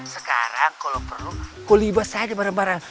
sekarang kalau perlu kau libas aja bareng bareng